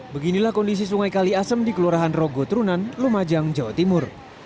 beginilah kondisi sungai kali asem di kelurahan rogo trunan lumajang jawa timur